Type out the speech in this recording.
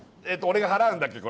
俺が払うんだっけ？